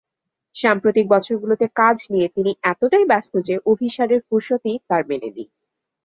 সাম্প্রতিক বছরগুলোতে কাজ নিয়ে তিনি এতটাই ব্যস্ত যে, অভিসারের ফুরসতই তাঁর মেলেনি।